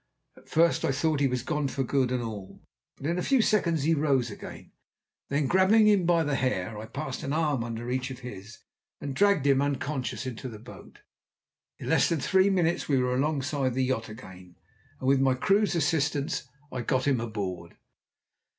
At first I thought he was gone for good and all, but in a few seconds he rose again. Then, grabbing him by the hair, I passed an arm under each of his, and dragged him unconscious into the boat. In less than three minutes we were alongside the yacht again, and with my crew's assistance I got him aboard.